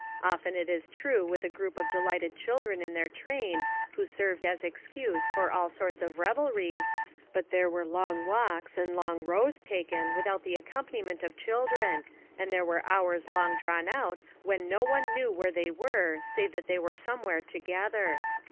Often it is true with a group of delighted children in their train, who served as excuse for all sorts of revelry, but there were long walks and long rows taken without the accompaniment of children and there were hours long drawn out when no one knew where they Avere save that they were somewhere together.